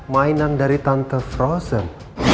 mainan dari tante frozen